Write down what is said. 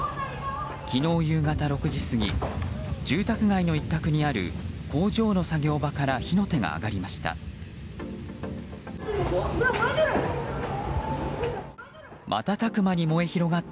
昨日夕方６時過ぎ住宅街の一角にある工場の作業場から火の手が上がりました。